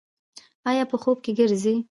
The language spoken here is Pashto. ایا په خوب کې ګرځئ؟